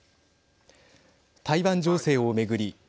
台湾情勢を巡り